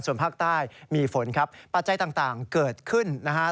ส่วนภาคใต้มีฝนครับปัจจัยต่างเกิดขึ้นนะฮะ